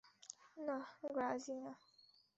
নাহ, গ্রাজি না।